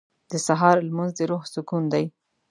• د سهار لمونځ د روح سکون دی.